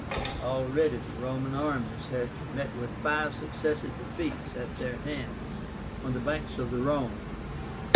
Already the Roman armies had met with five successive defeats at their hands on the banks of the Rhone.